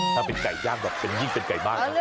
ถ้าเป็นไก่ยากเป็นยิ่งเป็นไก่บ้าง